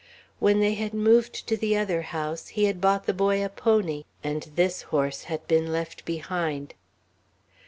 When they had moved to the other house, he had bought the boy a pony, and this horse had been left behind.